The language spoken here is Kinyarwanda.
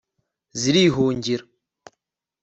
zirihungira